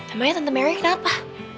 emangnya tante mary kenapa